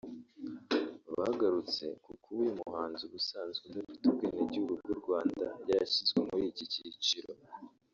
bagarutse ku kuba uyu muhanzi ubusanzwe udafite ubwenegihugu bw’u Rwanda yarashyizwe muri iki cyiciro